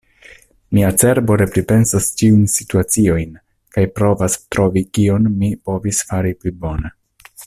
Mia cerbo repripensas ĉiujn situaciojn, kaj provas trovi kion mi povis fari pli bone.